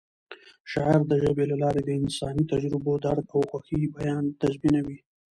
شاعري د ژبې له لارې د انساني تجربو، درد او خوښۍ بیان تضمینوي.